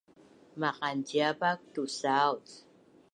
Maqanciapak tusauc